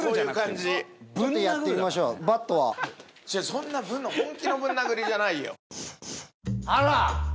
そんな本気のぶん殴りじゃないよ。